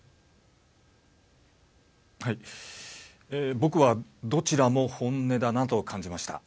僕はどちらも本音だなと感じました。